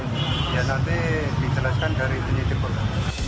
nanti dijelaskan dari penyelidik polda